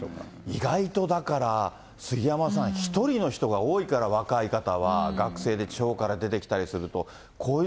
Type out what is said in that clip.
意外と、だから、杉山さん、１人の人が多いから、若い方は、学生で地方から出てきたりすると。